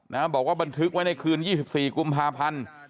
บอกว่าบันทึกไว้ในคืน๒๔กุมภาพันธ์